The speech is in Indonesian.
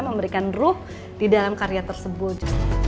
memberikan ruh di dalam karya tersebut